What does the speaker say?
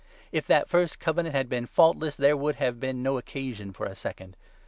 If that first Covenant had been faultless, there would have 7 been no occasion for a second.